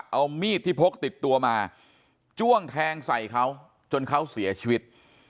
เอามีดที่พกติดตัวมาจ้วงแทงใส่เขาจนเขาเสียชีวิต